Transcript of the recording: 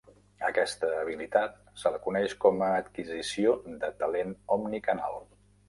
Aquesta habilitat se la coneix com a "adquisició de talent omnicanal".